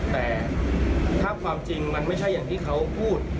แต่ถ้าความจริงมันไม่ใช่อย่างที่เขาพูด